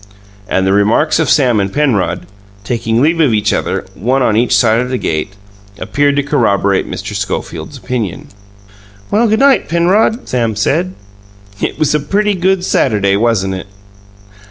And the remarks of Sam and Penrod, taking leave of each other, one on each side of the gate, appeared to corroborate Mr. Schofield's opinion. "Well, g' night, Penrod," Sam said. "It was a pretty good Saturday, wasn't it?"